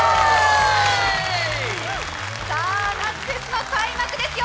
さあ、夏フェスの開幕ですよ！